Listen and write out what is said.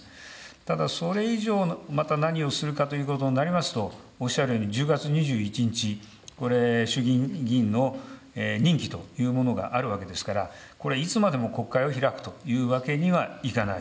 ただ、それ以上、また何をするかということになりますと、おっしゃるように、１０月２１日、これ衆議院議員の任期というものがあるわけですから、これ、いつまでも国会を開くというわけにはいかない。